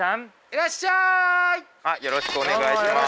よろしくお願いします。